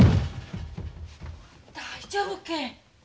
大丈夫け？